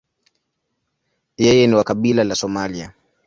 Yeye ni wa kabila la Somalia.